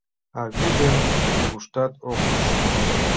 А вӱдым нигуштат ок уж.